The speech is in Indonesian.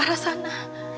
ke arah sana